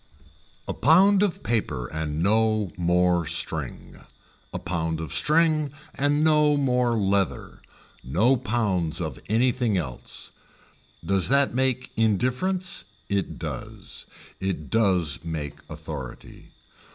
A pound of paper and no more string, a pound of string and no more leather, no pounds of anything else, does that make indifference, it does, it does make authority.